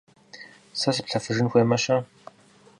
Сэ сыплъэфыжын хуеймэ-щэ?